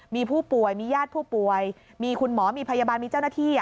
มีผู้ป่วยมีญาติผู้ป่วยมีคุณหมอมีพยาบาลมีเจ้าหน้าที่